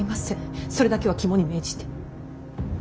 それだけは肝に銘じて。